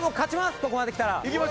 ここまできたら。